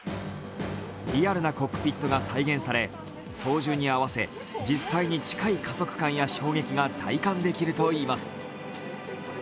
リアルなコックピットが再現され操縦に合わせ実際に近い加速感や衝撃が体感できるといいます。